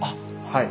はい。